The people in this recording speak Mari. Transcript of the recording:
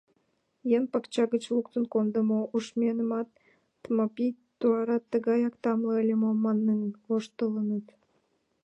Еҥ пакча гыч луктын кондымо ушменымат, «Тмапий, туарат тыгаяк тамле ыле мо?» манын воштылыныт.